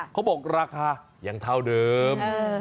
เขาบอก๔๘๕บาทอย่างเท่าเดิม